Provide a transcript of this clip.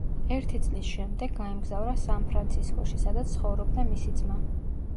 ერთი წლის შემდეგ გაემგზავრა სან-ფრანცისკოში, სადაც ცხოვრობდა მისი ძმა.